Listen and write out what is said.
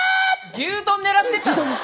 牛丼狙ってたの？